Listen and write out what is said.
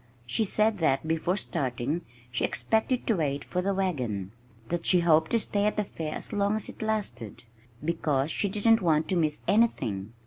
She said that before starting she expected to wait for the wagon, that she hoped to stay at the fair as long as it lasted (because she didn't want to miss anything!)